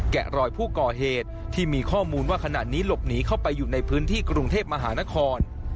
รอยผู้ก่อเหตุที่มีข้อมูลว่าขณะนี้หลบหนีเข้าไปอยู่ในพื้นที่กรุงเทพมหานคร